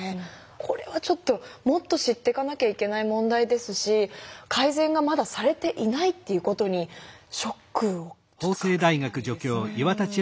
これはちょっともっと知っていかなきゃいけない問題ですし改善がまだされていないっていうことにショックをちょっと隠せないですね。